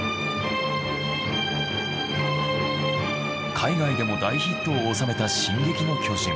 海外でも大ヒットをおさめた『進撃の巨人』。